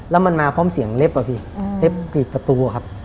แล้วมันมาพร้อมเสียงเล็บอะพี่เล็บกรีดประตูครับ